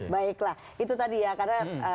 baiklah itu tadi ya karena